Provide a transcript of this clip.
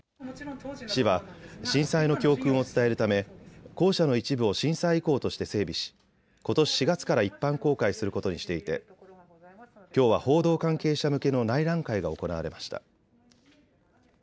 市は震災の教訓を伝えるため校舎の一部を震災遺構として整備しことし４月から一般公開することにしていてきょうは報道関係者向けの内覧会が行われました。